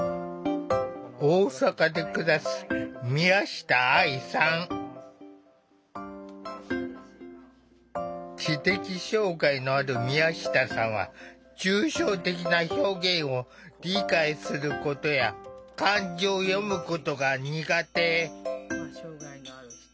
大阪で暮らす知的障害のある宮下さんは抽象的な表現を理解することや漢字を読むことが苦手。